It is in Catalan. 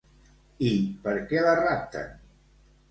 I per què la rapten?